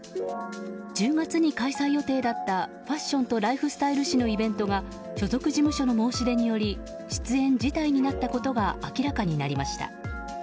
１０月に開催予定だったファッションとライフスタイル誌のイベントが所属事務所の申し出により出演辞退になったことが明らかになりました。